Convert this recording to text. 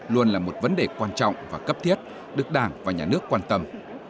luôn là một vấn đề quan trọng và cấp thiết được đảng và nhà nước quan tâm